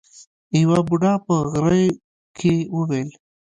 يوه بوډا په غريو کې وويل.